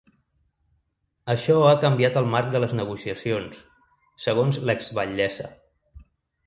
Això ha canviat el marc de les negociacions, segons l’ex-batllessa.